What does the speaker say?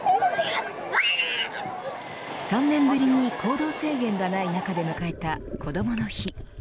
３年ぶりに行動制限がない中で迎えたこどもの日。